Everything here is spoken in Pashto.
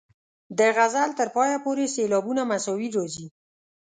د غزل تر پایه پورې سېلابونه مساوي راځي.